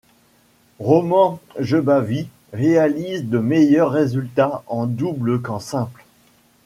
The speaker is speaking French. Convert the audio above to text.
Roman Jebavý réalise de meilleurs résultats en double qu'en simple.